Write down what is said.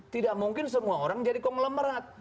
tidak mungkin semua orang jadi kong lemerat